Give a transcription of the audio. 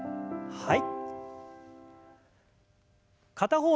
はい。